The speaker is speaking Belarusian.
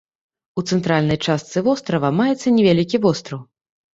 У цэнтральнай частцы вострава маецца невялікі востраў.